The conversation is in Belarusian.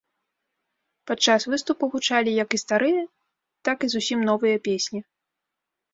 Падчас выступу гучалі як і старыя, так і зусім новыя песні.